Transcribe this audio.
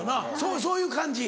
そういう感じ？